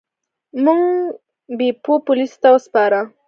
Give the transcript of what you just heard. موږ بیپو پولیسو ته وسپاره.